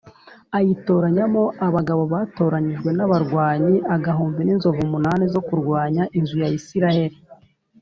ayitoranyamo abagabo batoranyijwe b’abarwanyi agahumbi n’inzovu munani zo kurwanya inzu ya Isirayeli